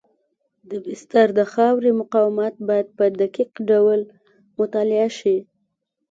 د بستر د خاورې مقاومت باید په دقیق ډول مطالعه شي